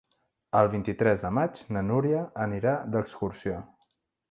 El vint-i-tres de maig na Núria anirà d'excursió.